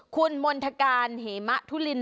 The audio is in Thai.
คุณมณฑการเหมะทุลิน